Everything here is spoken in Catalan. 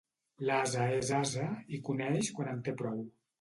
L'ase és ase i coneix quan en té prou.